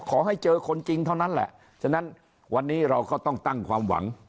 ขอให้เจอคนจริงเท่านั้นแหละฉะนั้นวันนี้เราก็ต้องตั้งความหวัง